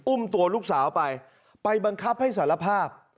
อุ้มตัวลูกสาวไปไปบังคับให้สารภาพ